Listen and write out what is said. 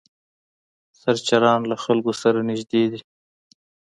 سرچران له خلکو سره نږدې دي.